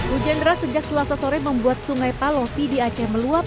hujan deras sejak selasa sore membuat sungai palofi di aceh meluap